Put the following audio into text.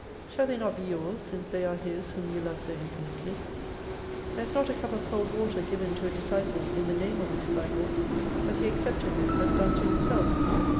Shall they not be yours since they are His whom you love so infinitely ? There is not a cup of cold water given to a disciple in the name of a disciple, but He accepteth it as done to Himself.